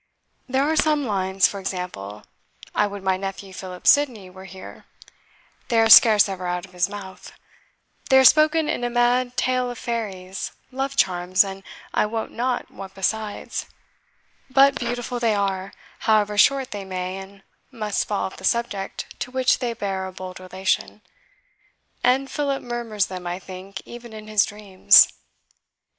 There are some lines, for example I would my nephew, Philip Sidney, were here; they are scarce ever out of his mouth they are spoken in a mad tale of fairies, love charms, and I wot not what besides; but beautiful they are, however short they may and must fall of the subject to which they bear a bold relation and Philip murmurs them, I think, even in his dreams."